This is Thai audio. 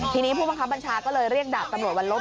ทีนี้ผู้บังคับบัญชาก็เลยเรียกดาบตำรวจวันลบ